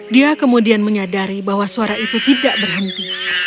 dia kemudian menyadari bahwa suara itu tidak berhenti